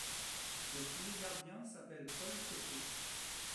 Le premier gardien s'appelle Paul Côté.